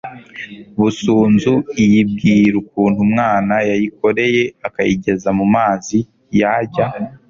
busunzu iyibwira ukuntu umwana yayikoreye akayigeza mu mazi, yajya